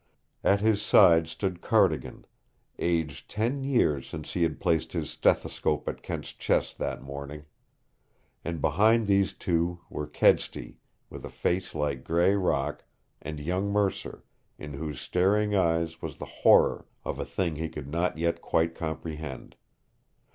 At his side stood Cardigan, aged ten years since he had placed his stethoscope at Kent's chest that morning. And behind these two were Kedsty, with a face like gray rock, and young Mercer, in whose staring eyes was the horror of a thing he could not yet quite comprehend.